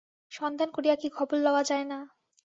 সন্ধান করিয়া কি খবর লওয়া যায় না।